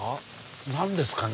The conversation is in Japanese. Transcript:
何ですかね？